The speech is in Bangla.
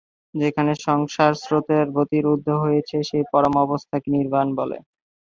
যেখানে সংসার স্রোতের গতি রুদ্ধ হয়েছে, সেই পরম অবস্থা কে নির্বাণ বলে।